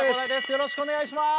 よろしくお願いします。